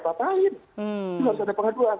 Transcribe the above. ngapain itu harus ada pengaduan